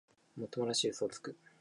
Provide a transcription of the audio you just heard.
もっともらしい嘘をつく